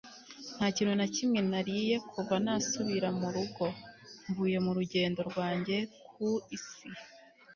Nta kintu na kimwe nariye kuva nasubira mu rugo mvuye mu rugendo rwanjye ku isi